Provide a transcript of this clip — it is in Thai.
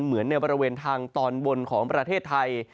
เหมือนในบริเวณทางตอนบนของประเทศไทย